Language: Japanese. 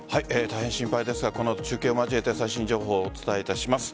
大変心配ですがこの後中継を交えて最新情報をお伝えいたします。